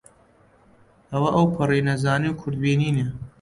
ئەوە ئەوپەڕی نەزانی و کورتبینییە